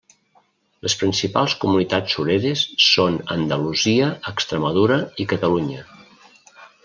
Les principals comunitats sureres són Andalusia, Extremadura i Catalunya.